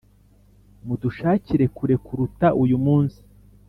mudushakire kure kuruta uyu munsi.